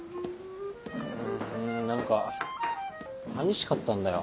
うん何か寂しかったんだよ。